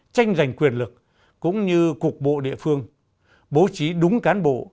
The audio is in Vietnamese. tranh giành quyền lực cũng như cục bộ địa phương bố trí đúng cán bộ